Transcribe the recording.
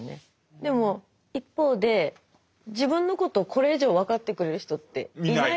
でも一方で自分のことをこれ以上分かってくれる人っていないんですよ。